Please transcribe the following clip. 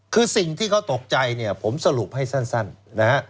คือสิ่งที่เขาตกใจเนี่ยผมสรุปให้สั้นนะฮะ